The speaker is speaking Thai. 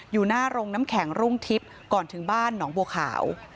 อยู่หน้าโรงน้ำแข็งรุ่งทิพย์ก่อนถึงบ้านหนองบัวขาว